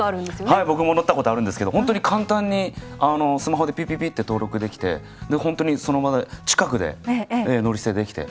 はい僕も乗ったことあるんですけど本当に簡単にスマホでピピピッて登録できてで本当にその場で近くで乗り捨てできて。